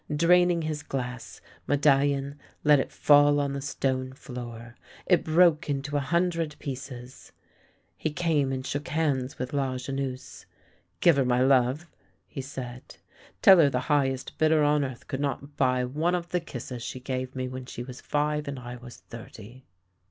Draining his glass, Medallion let it fall on the stone floor. It broke into a hundred pieces. He came and shook hands with Lajeunesse. " Give her my love," he said. " Tell her the highest bidder on earth could not buy one of the kisses she gave me when she was five and I was thirty!